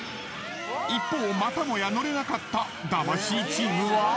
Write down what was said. ［一方またもや乗れなかった魂チームは］